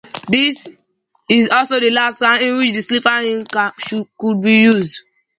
This is also the last round in which the silver ring could be used.